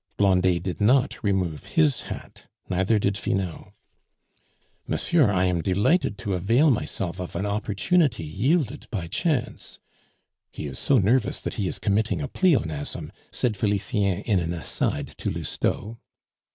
Blondet did not remove his hat, neither did Finot. "Monsieur, I am delighted to avail myself of an opportunity yielded by chance " ("He is so nervous that he is committing a pleonasm," said Felicien in an aside to Lousteau.)